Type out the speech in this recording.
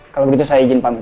kalau begitu saya izin pamung